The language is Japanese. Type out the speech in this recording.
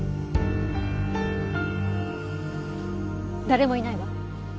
誰もいないわ。